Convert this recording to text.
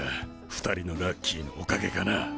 ２人のラッキーのおかげかな。